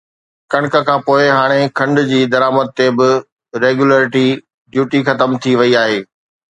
ڪڻڪ کانپوءِ هاڻي کنڊ جي درآمد تي به ريگيوليٽري ڊيوٽي ختم ٿي وئي آهي